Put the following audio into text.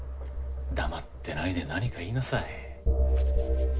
黙ってないで何か言いなさい。